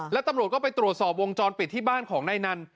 แล้วตำรวจก็ไปตรวจสอบวงจรปิดที่บ้านของนายนัน